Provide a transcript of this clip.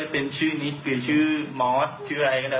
ผมเป็นคนดีล่ะ